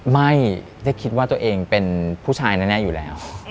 ไม่ได้คิดว่าตัวเองเป็นผู้ชายแน่อยู่แล้ว